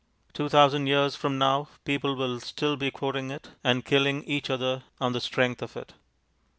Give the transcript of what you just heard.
Two thousand years from now people will still be quoting it, and killing each other on the strength of it.